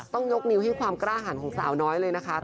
ต้องยกนิ้วให้ความกล้าหันของสาวน้อยเลยนะคะ